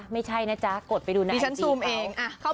ไม่ใช่นะจ๊ะกดไปดูในไอจีกเขา